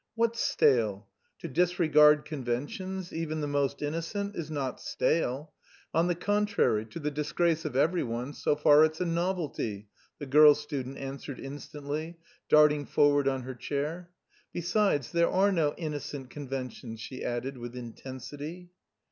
"What's stale? To disregard conventions, even the most innocent is not stale; on the contrary, to the disgrace of every one, so far it's a novelty," the girl student answered instantly, darting forward on her chair. "Besides, there are no innocent conventions," she added with intensity.